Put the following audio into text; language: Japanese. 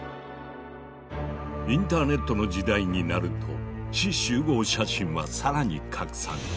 インターネットの時代になると志士集合写真はさらに拡散。